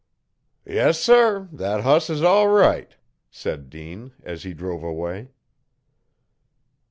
Yes, sir, thet hoss is all right,' said Dean, as he drove away.